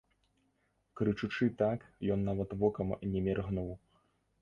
Крычучы так, ён нават вокам не міргнуў.